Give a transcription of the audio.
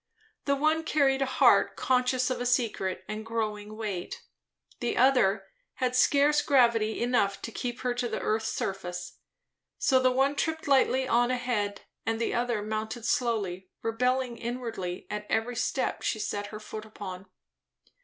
The one carried a heart conscious of a secret and growing weight; the other had scarce gravity enough to keep her to the earth's surface. So the one tripped lightly on ahead, and the other mounted slowly, rebelling inwardly at every step she set her foot upon.